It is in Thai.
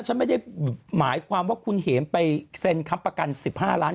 ฉันไม่ได้หมายความว่าคุณเห็มไปเซ็นค้ำประกัน๑๕ล้าน